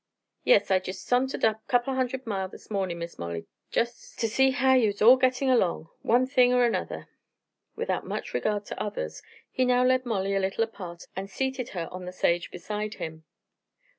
"Yes, I jest sorntered up couple hundred mile this mornin', Miss Molly, ter see how ye all was gettin' along one thing er another." Without much regard to others, he now led Molly a little apart and seated her on the sage beside him.